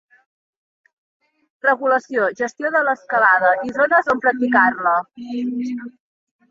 Regulació, gestió de l'escalada i zones on practicar-la.